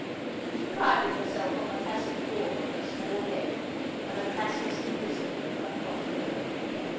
She prided herself on the classic form of her small head, and the classic simplicity of her coiffure.